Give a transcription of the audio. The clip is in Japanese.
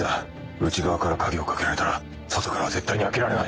内側から鍵を掛けられたら外からは絶対に開けられない。